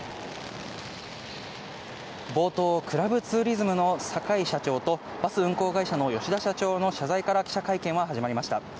冒頭、クラブツーリズムの酒井社長と、バス運行会社の吉田社長の謝罪から記者会見は始まりました。